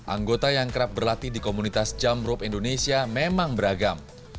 anggota yang kerap berlatih di komunitas jumprope indonesia memang beragam